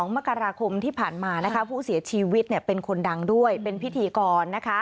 มกราคมที่ผ่านมาผู้เสียชีวิตเป็นคนดังด้วยเป็นพิธีกร